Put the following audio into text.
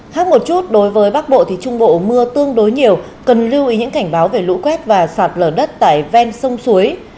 khác một chút đối với bắc bộ thì trung bộ mưa tương đối nhiều cần lưu ý những cảnh báo về lũ quét và sạt lở đất tại ven sông suối